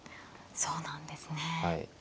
そうなんですね。